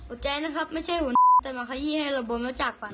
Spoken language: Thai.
โอ้แจ๊นะครับไม่ใช่ผมแต่มาขยี้ให้แล้วบนบุ๊มจากก่อน